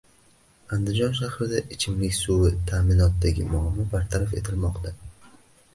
Andijon shahrida ichimlik suvi ta’minotidagi muammo bartaraf etilmoqda